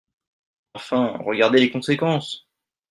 Enfin, regardez les conséquences !